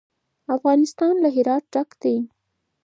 افغانستان له هرات ډک دی.